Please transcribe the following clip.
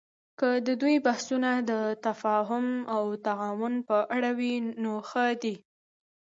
که د دوی بحثونه د تفاهم او تعاون په اړه وي، نو ښه دي